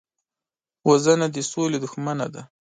وژنه د سولې دښمنه ده